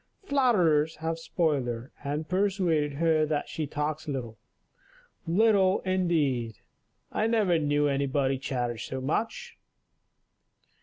Flatterers have spoiled her, and persuaded her that she talks little. Little, indeed! I never knew anybody chatter so much."